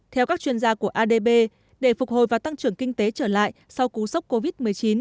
theo các chuyên gia của adb để phục hồi và tăng trưởng kinh tế trở lại sau cú sốc covid một mươi chín